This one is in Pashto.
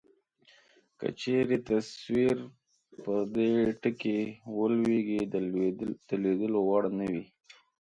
که چیرې تصویر پر دې ټکي ولویږي د لیدلو وړ نه وي.